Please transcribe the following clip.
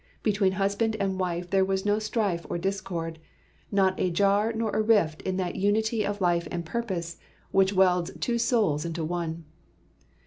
Between husband and wife there was no strife or discord, not a jar nor a rift in that unity of life and purpose which welds two souls into one.